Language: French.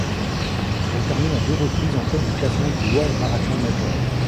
Elle termine à deux reprises en tête du classement du World Marathon Majors.